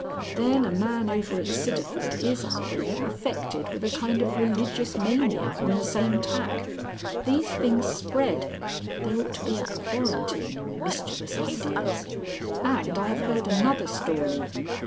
Then a man over at Sidderford is, I hear, affected with a kind of religious mania on the same tack. These things spread. There ought to be a quarantine in mischievous ideas. And I have heard another story...."